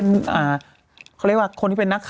แต่กลางคนที่เป็น